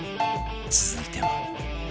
続いては